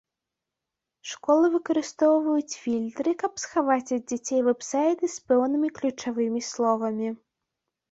Школы выкарыстоўваюць фільтры, каб схаваць ад дзяцей вэб-сайты з пэўнымі ключавымі словамі.